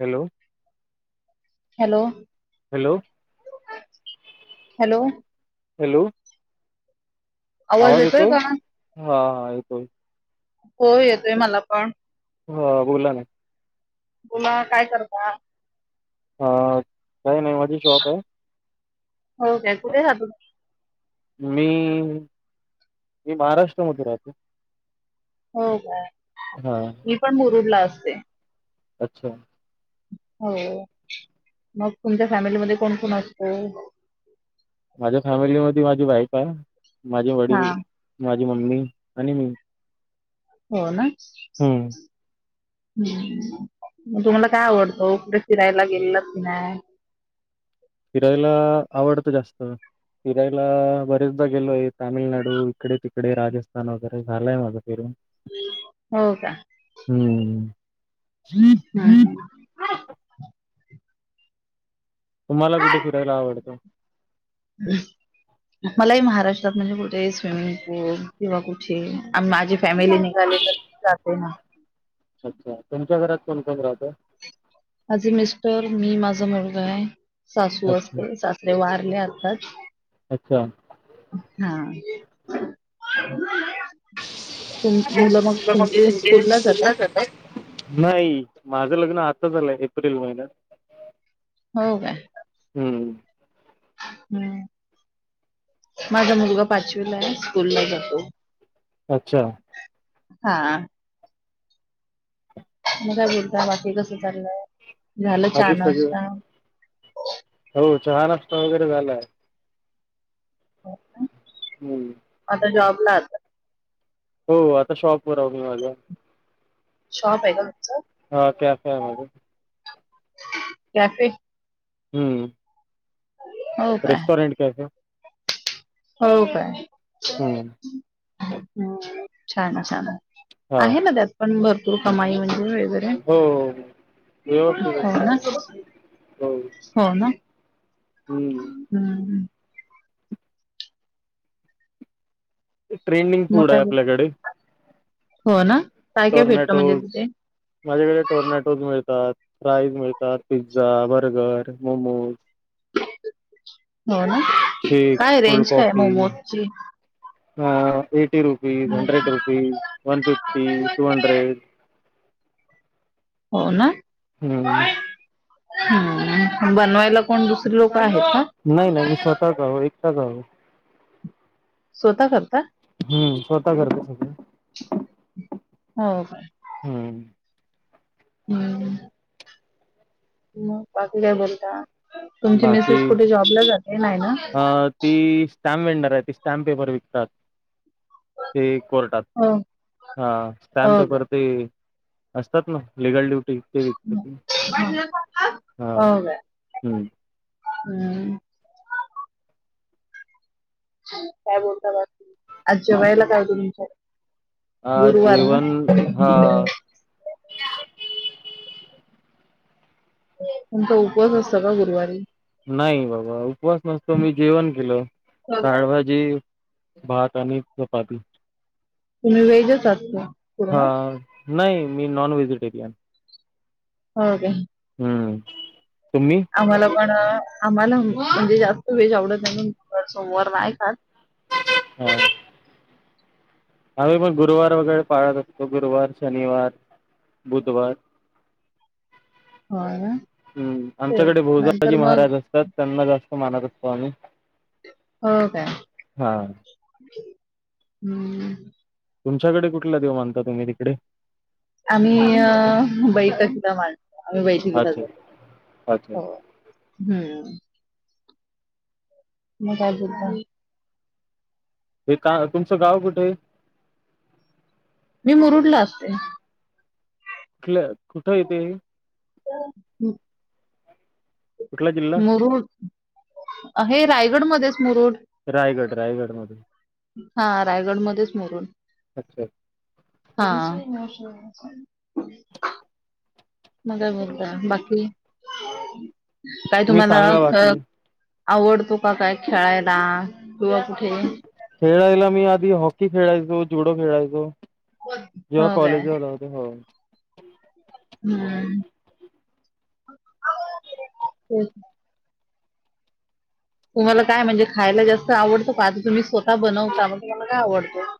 Hello hello hello hello hello आवाज येतोय येतो का? हा येतोय हो येतोय मला पण हो बोला ना बोला ना काय करता हा काय नाही माझी शॉप आहे हो काय कुठे राहता मी मी महाराष्ट्रामध्ये राहते हो का हां मी पण मुरुडला असते अच्छा हो मग तुमच्या फॅमिलीमध्ये कोण कोण असतं माझ्या फॅमिलीमध्ये माझी वाईफ आहे माझे हा वडील माझी मम्मी आणि मी हो ना हं. हम् मग तुम्हाला काय आवडतं कुठे फिरायला गेलेलात कि नाही फिरायला आवडत जास्त फिरायला बरेचदा गेलोय तामिळनाडू इकडे तिकडे राजस्थान वगैरे झालंय माझं फिरून हो का हम्म हम्म तुम्हाला कुठे फिरायला आवडतं हम् मलाही महाराष्ट्रात म्हणजे कुठे स्विमिंग पूल किंवा कुठे माझी फॅमिली निघाली तर जाते ना अच्छा तुमच्या घरात कोण कोण राहतं माझी मिस्टर मी माझा मुलगा आहे सासू अच्छा असते सासरे वारले आताच अच्छा हा मुलं मग कुठे म्हणजे स्कूल ला स्कूलला जातात नाही माझं लग्न आताच झालंय एप्रिल महिन्यात हो का हमं हम् माझा मुलगा पाचवीला आहे स्कूल ला जातो अच्छा हा मग काय बोलता बाकी कसं चाललंय झालं चहा आधी सगळं नाश्ता हो चहा नाष्टा वगैरे झालाय हो काय? हम्म आता जॉब ला आहात हो आता शॉपवर आवरून आलोय शॉप आहे का तुमचा हा कॅफे आहे माझा कॅफे हूं हो काय? रेस्टोरंट कॅफे हो काय हम्म छान छान हा आहे ना त्यात पण भरपूर कमाई म्हणजे वेगैरे हो व्यवस्थित आहे हो ना सगळं हो हो ना हम्म हम्म. ट्रेंडिंग मग फूड काय आहे बोल- आपल्याकडे. हो ना. काय काय भेटलं म्हणजे टॉर्नेटोज तिथे? माझेकडे टोर्नेटोज मिळतात. प्राईज मिळतात पिझ्झा, बर्गर, मोमोज हो ना शेक्स काय रेंज काय ये मोमोजची ह eighty rupees, hundred rupees, one fifty, two hundred हो ना. हम्म. हम्म बनवायला कोण दुसरी लोक आहेत का? नाही नाही मी स्वतःच आहो एकटच आहो. स्वतः करता. हम्म स्वतः करतो सगळ. हो काय. हम्म. हम्म हम्म मग बाकी काय बोलता तुमची बाकी मिसेस कुठे जॉबला जाते नाय ना. अ ती स्टॅम्प वेंडर आहे ती स्टॅम्प पेपर विकतात ते कोर्टात हो हा स्टँप हो काय पेपर ते असतात ना लिगल ड्युटी ते विकते हम्म. ती हा हो काय हूं हम्म. काय बोलता बाकी आज जेवायला काय होत तुमच्यात अ गुरुवार ना जेवण हा तुमचा उपवास असतो का गुरुवारी? नाही बाबा उपवास नसतो मी जेवण केलं हो काय? डाळभात ते भात आणि चपाती तुम्ही वेज च आहात का? हां नाही मी नॉन व्हेजिटेरियन. हो काय. हूं तुम्ही आम्हाला पण आम्हाला म्हणजे जास्त वेज आवडत नाही पण सोमवार नाही खात. हा. आम्ही पण गुरुवार वगैरे पाळत असतो गुरुवार शनिवार बुधवार हो ना. हम्म तेच आमच्याकडे नंतर भोजाजी मग महाराज असतात त्यांना जास्त मानत असतो आम्ही. हो काय हा हम् तुमच्याकडे कुठला देव मानता तुम्ही तिकडे आम्ही बैठकीला मांडतो आम्ही बैठकीला अच्छा जातो अच्छा हो. हम्म मी काय. [inaudible] हे का तुमचं गाव कुठे आहे? मी मुरुडला असते. कुठल कुठं हाय ते. [unintelligible] कुठला जिल्हा मुरुड हे रायगडमध्येच मुरुड रायगड रायगड मधून हा रायगडमध्येच मुरुड अच्छा. हा. मग काय बोलतय बाकी काय तुम्ही तुम्हाला सांगा बाकी आवडतो का काय खेळायला किंवा कुठे खेळायला मी आधी हॉकी खेळायचो जुडो खेळायचो जेव्हा काय कॉलेजवर हो. हम्म ते तुम्हाला काय म्हणजे खायला जास्त आवडतं का आता तुम् स्वतः बनवता मग तुम्हाला काय आवडतं?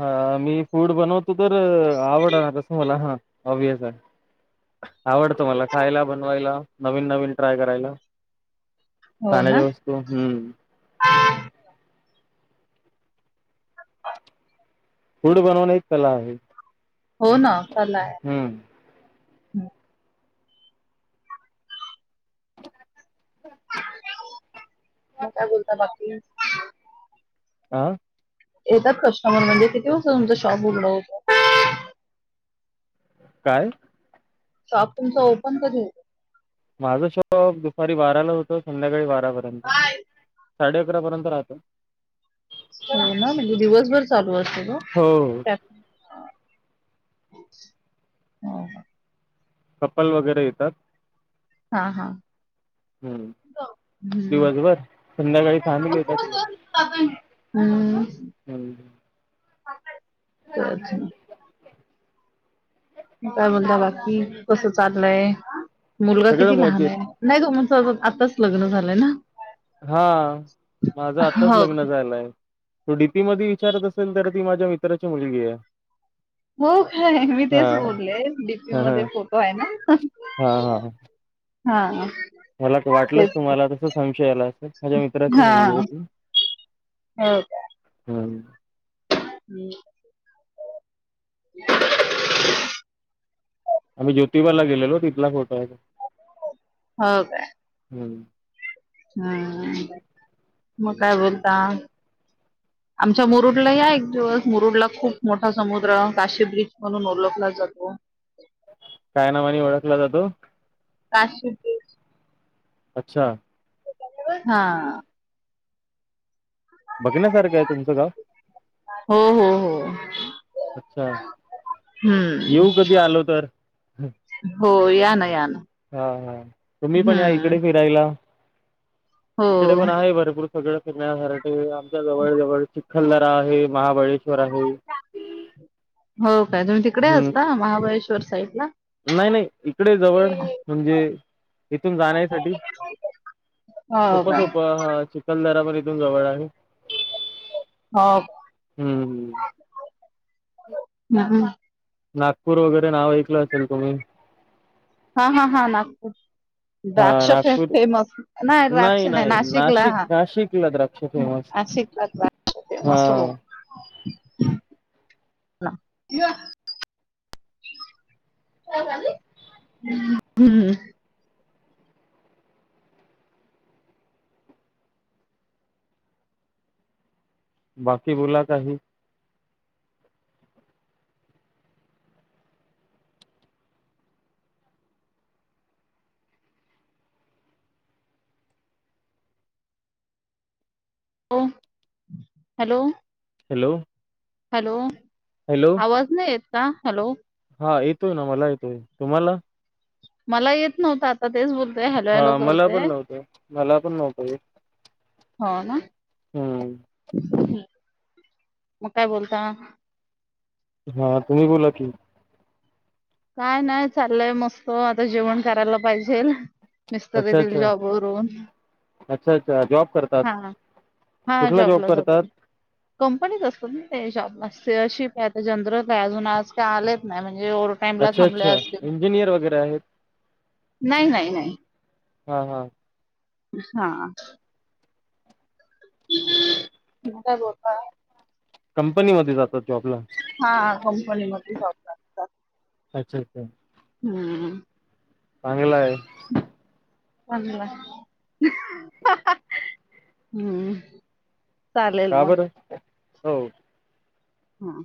हा मी फूड बनवतो तर आवड ना कसं मला हा ऑबवियस आहे. आवडतो मला खायला बनवायला नवीन नवीन ट्राय करायला. हो ना? खाण्याच्या वस्तू हम्म [inaudible] फूड बनवण एक कला आहे. हो ना कलाय. हम्म मग काय बोलता बाकी? आ? येतात कस्टमर म्हणजे किती वाजता तुमचा शॉप उघडा होत? काय? शॉप तुमचा ओपन कधी होत? माझा शोप दुपारी बाराला होतो संध्याकाळी बारापर्यंत साडे अकरा पर्यंत राहतो. होय ना म्हणजे दिवसभर चालू असेल हो हो त्या ह हो का. कपल वगैरे येतात. हा हा. हम्म दिवसभर संध्याकाळी फॅमिली येतात. हम हम् अछा काय बोलता बाकी कसं चाललंय मुलगा सगळं किती लहान मजेत आहे? नाही तुमचं आताच लग्न झालंय ना? हा माझं आताच हो लग्न झालंय. तो डी पी मध्ये विचारत असेल तर ती माझ्या मित्राची मुलगी आहे. हो काय मी हा तेच बोलले डीपी ह मध्ये ह फोटो आहे ना? हा हा. हा. मला वाटलंच तेच तुम्हाला तस संशया याला अस माझ्या मित्राची मुलगी आहे ती. ह का? हम् [inaudible] आम्ही ज्योतिबाला गेलेलो तिथला फोटो आहे हा. हो का? हम्म. हं. मग काय बोलता? आमच्या मुरुडला या एक दिवस मुरुडला खूप मोठा समुद्र काशीद बीच म्हणून ओळखला जातो. काय नावाणे ओळखला जातो? काशीद बीच. अच्छा. हा. बघण्यासारखं आहे तुमचं गाव? हो हो हो. अच्छा. हम्म येऊ कधी आलो तर? हो. या ना या ना. हा हा. तुम्ही पण या हम्म इकडे फिरायला, हो इकडे पण आहे भरपूर सगळ फिरण्यासाठी आमच्या जवळ जवळ चिखलदरा आहे, महाबळेश्वर आहे. हो काय तुम्ही तिकडे हं. असता महाबळेश्वर साईड ला. नाही नाही. इकडे जवळ म्हणजे इथून जाण्यासाठी [inaudible] हो सोपं का सोप हा चिखलदरा पण इथून जवळ आहे. हो. हं. हं. हम्म हम्म. नागपूर वगैरे नाव ऐकलं असेल तुम्ही. हा हा हा नागपूर. हां द्राक्ष नागपूर फेमस नाही द्राक्ष नाही नाशिकला नाशिक हा नाशिकला द्राक्ष फेमस नाशिक [inaudible] हा. या [inaudible] [inaudible] हम्म हम्म. बाकी बोला काही. ओ हॅलो. हॅलो. हॅलो. हॅलो आवाज नाही येत का? हॅलो. हा येतोय ना मला येतोय. तुम्हाला? मला येत नव्हत आता तेच बोलते. हॅलो हॅलो हा मला करते. पण नव्हतं मला पण नव्हतं येत हो ना. हम्म मग काय बोलता? हा. तुम्ही बोला की? काय नाही चाललंय मस्त. आता जेवण करायला पाहिजेल. मिस्टर अच्छा येथील अच्छा जॉब वरून अच्छा अच्छा जॉब करतात हा. हा. कुठला जॉब जॉबला करतात जातात. कंपनीच असतात ना ते शॉपला ते शिप आहे ते जनरल आहे, अजून आज काय आलेच नाही म्हणजे टाइमला अच्छा थांबले अच्छा. असतील इंजिनियर वगैरे आहेत? नाही नाही नाही हा हा. हा. [inaudible] मग काय [unintelligible] कंपनीमध्ये जातात जॉबला? हा. कंपनी मध्ये जॉब लागतात अच्छा अच्छा. हम्म. चांगलं हाय. चांगल हाय. अहंहं अहं. हम्म. चालेल का मग बर? हो. हा.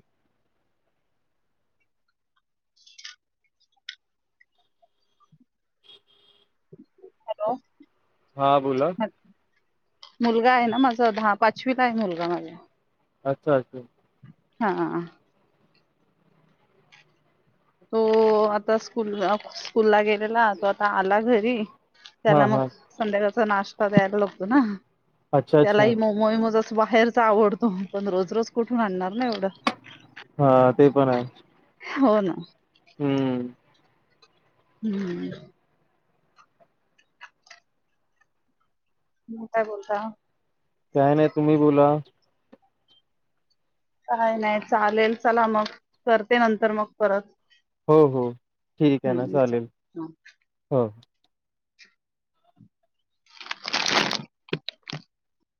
[inaudible] हा बोला. हा. मुलगा आहे ना माझा दहा पाचवीला आहे मुलगा माझा. अस अस. हा. तो आता स्कूल स्कूलला गेलेला तो आता आला घरी. हा त्याला मग हा संध्याकाळचा नाश्ता द्यायला लागतो ना अच्छा अच्छा त्यालाही म मोई मज बाहेरच आवडतो पण रोज रोज कुठून आणणार ना एवढं. हा ते पण आहे. हो ना. हम्म. हम्म. माग काय बोता ह. काय नाही तुम्ही बोला. काय नाही चालेल चला मग करते नंतर मग परत. हो हो ठीक आहे ना हम्म चालेल चा हो.